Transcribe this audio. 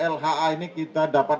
lha ini kita dapat